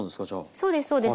そうですそうです。